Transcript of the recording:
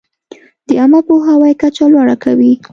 د عامه پوهاوي کچه لوړه کوي.